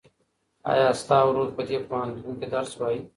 ایا ستا ورور په دې پوهنتون کې درس وایي؟